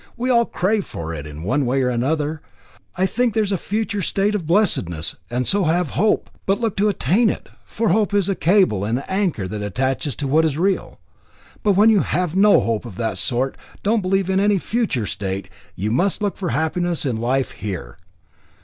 We all crave for it in one way or other. Some think there's a future state of blessedness and so have hope, and look to attain to it, for hope is a cable and anchor that attaches to what is real. But when you have no hope of that sort, don't believe in any future state, you must look for happiness in life here.